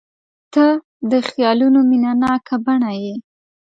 • ته د خیالونو مینهناکه بڼه یې.